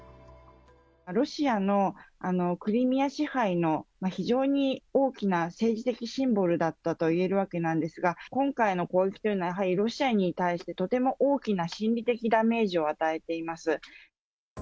ロシアのクリミア支配の非常に大きな政治的シンボルだったと言えるわけなんですが、今回の攻撃というのはやはりロシアに対して、とても大きな心理的ダメージを与えています。